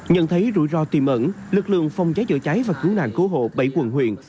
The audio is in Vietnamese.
nhận thấy rủi ro tìm ẩn lực lượng phòng cháy chữa cháy và cứu nàn cố hộ bảy quận huyện